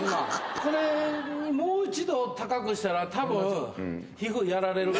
これにもう１度高くしたらたぶん、皮膚やられる。